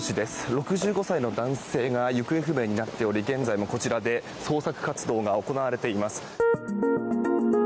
６５歳の男性が行方不明になっており現在もこちらで捜索活動が行われています。